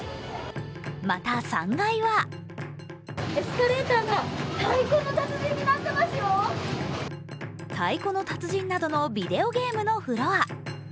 また、３階は「太鼓の達人」などのビデオゲームのフロア。